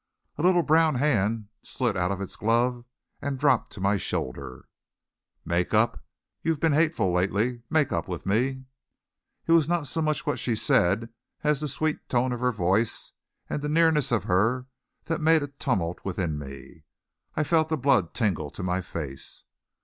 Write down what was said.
A little brown hand slid out of its glove and dropped to my shoulder. "Make up. You've been hateful lately. Make up with me." It was not so much what she said as the sweet tone of her voice and the nearness of her that made a tumult within me. I felt the blood tingle to my face.